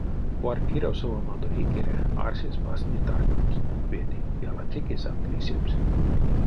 Квартирав совамодо икеле арсесь васня таргамс, ведь ялатеке сави лисемс.